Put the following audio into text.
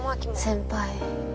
先輩。